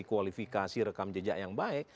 kualifikasi rekam jejak yang baik